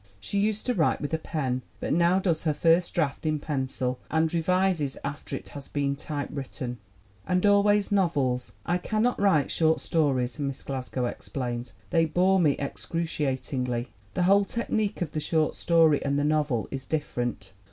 She used to write with a pen, but now does her first draft in pencil and revises after it has been typewritten. And always novels. "I cannot write short stories," Miss Glasgow explains. "They bore me excruciat ingly. The whole technique of the short story and the novel is different.